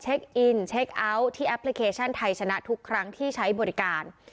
อินเช็คเอาท์ที่แอปพลิเคชันไทยชนะทุกครั้งที่ใช้บริการ